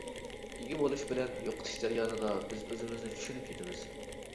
ئىگە بولۇش بىلەن يوقىتىش جەريانىدا بىز ئۆزىمىزنى چۈشىنىپ يېتىمىز.